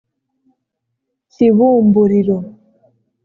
Kibumbuliro